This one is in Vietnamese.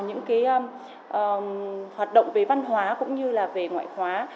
những cái hoạt động về văn hóa cũng như là về ngoại khóa